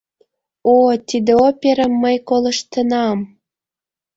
— О, тиде оперым мый колыштынам!